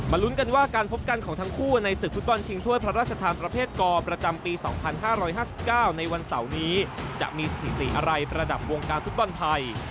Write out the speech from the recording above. ลุ้นกันว่าการพบกันของทั้งคู่ในศึกฟุตบอลชิงถ้วยพระราชทานประเภทกประจำปี๒๕๕๙ในวันเสาร์นี้จะมีสถิติอะไรประดับวงการฟุตบอลไทย